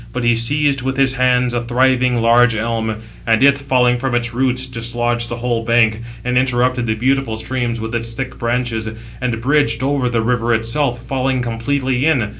But he seized with his hands a thriving, large elm; and it, falling from its roots, dislodged the whole bank, and interrupted the beautiful streams with its thick branches, and bridged over the river itself, 681 falling completely in.